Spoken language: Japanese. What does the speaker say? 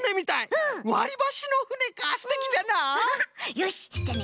よしじゃあね